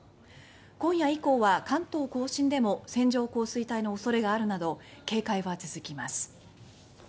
今夜以降は関東甲信でも線状降水帯の恐れがあるなど警戒は続きます。